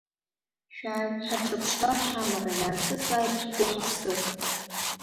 Шәааи, ҳаҿыԥшлап ҳамра, иаартызааит ҳгәы-ҳаԥсы!